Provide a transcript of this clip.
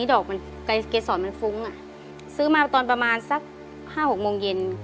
ดอกมันเกษรมันฟุ้งอ่ะซื้อมาตอนประมาณสัก๕๖โมงเย็น